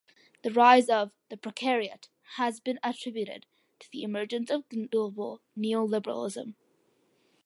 The rise of "the precariat" has been attributed to the emergence of global neoliberalism.